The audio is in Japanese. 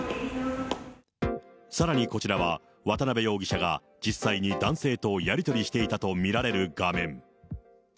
さらにこちらは、渡辺容疑者が実際に男性とやり取りしていたと見られる画面。